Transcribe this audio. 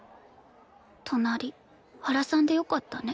隣原さんでよかったね。